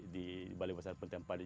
di balai basar pentempadi